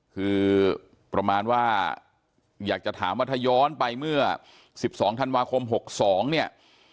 คือประมาณว่าอยากจะถามว่าถ้าย้อนไปเมื่อ๑๒ธันวาคม๖๒เนี่ย